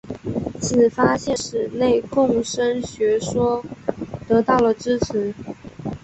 此发现使内共生学说得到了支持。